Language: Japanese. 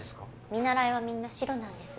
見習いはみんな白なんです